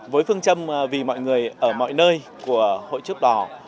với phương châm vì mọi người ở mọi nơi của hội chữ đỏ